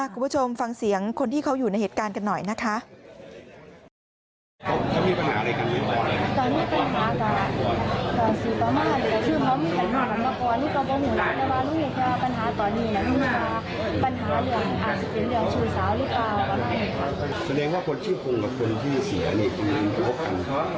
คุณผู้ชมฟังเสียงคนที่เขาอยู่ในเหตุการณ์กันหน่อยนะคะ